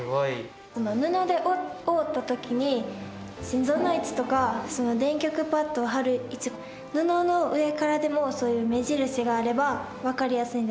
布で覆った時に心臓の位置とか電極パットを貼る位置が布の上からでもそういう目印があれば分かりやすいんじゃないかという理由で。